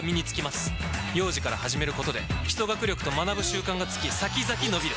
幼児から始めることで基礎学力と学ぶ習慣がつき先々のびる！